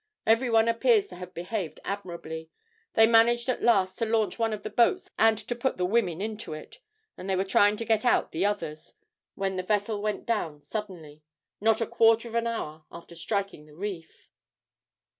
Every one appears to have behaved admirably. They managed at last to launch one of the boats, and to put the women into it; and they were trying to get out the others, when the vessel went down suddenly, not a quarter of an hour after striking the reef.'